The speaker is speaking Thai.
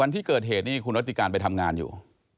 ที่เกิดเหตุนี่คุณรัติการไปทำงานอยู่